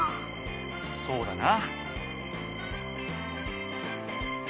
そうだな。